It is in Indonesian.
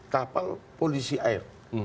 kapal polisi air